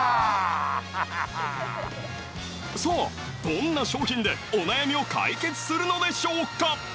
さぁどんな商品でお悩みを解決するのでしょうか？